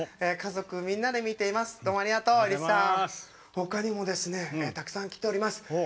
他にもたくさん来ております。